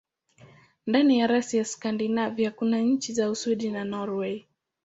Ndani ya rasi ya Skandinavia kuna nchi za Uswidi na Norwei.